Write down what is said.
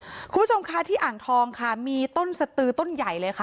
คุณผู้ชมคะที่อ่างทองค่ะมีต้นสตือต้นใหญ่เลยค่ะ